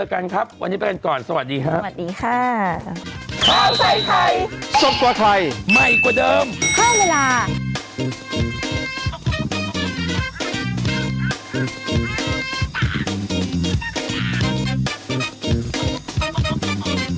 ครับวันนี้เป็นก่อนสวัสดีครับสวัสดีค่ะ